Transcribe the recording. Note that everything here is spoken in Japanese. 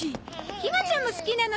ひまちゃんも好きなの？